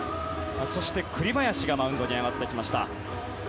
そして、栗林がマウンドに上がっていきました。